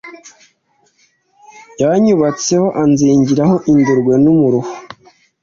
Yanyubatseho anzingiraho indurwe n’umuruho,